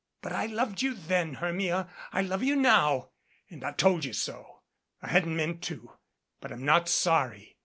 But I loved you then, Hermia, I love you now, and I've told you so. I hadn't meant to, but I'm not sorry.